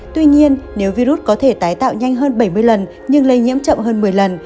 tuy nhiên nếu virus có thể tái tạo nhanh hơn bảy mươi lần nhưng lây nhiễm chậm hơn một mươi lần